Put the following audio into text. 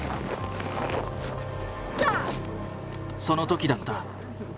その時だった。